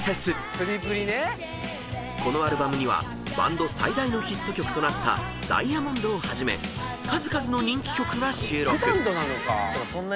［このアルバムにはバンド最大のヒット曲となった『Ｄｉａｍｏｎｄｓ』をはじめ数々の人気曲が収録］